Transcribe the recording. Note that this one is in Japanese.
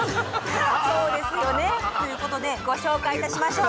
そうですよね。ということでご紹介いたしましょう。